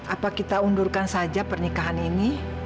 apa kita undurkan saja pernikahan ini